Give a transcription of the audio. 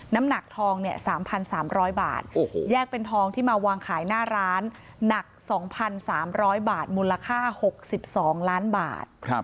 น้ำหนักทอง๓๓๐๐บาทแยกเป็นทองที่มาวางขายหน้าร้านหนัก๒๓๐๐บาทมูลค่า๖๒ล้านบาท